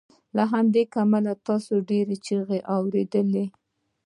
له همدې امله تاسو ډیرې چیغې اوریدې